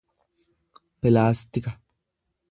pilaastika